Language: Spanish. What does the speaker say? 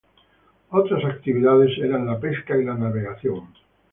Otras actividades eran la pesca y la navegación.